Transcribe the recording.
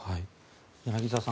柳澤さん